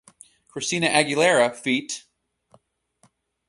Christina Aguilera feat.